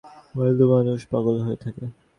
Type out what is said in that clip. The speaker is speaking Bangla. ভালো মানুষগুলি একটু পাগলপাগলই হয়ে থাকে।